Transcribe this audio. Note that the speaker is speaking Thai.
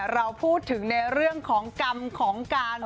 เราพูดถึงในเรื่องของกรรมของการ